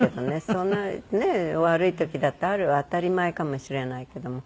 そんなねえ悪い時だってあるは当たり前かもしれないけども。